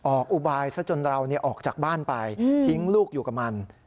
อุบายซะจนเราออกจากบ้านไปทิ้งลูกอยู่กับมัน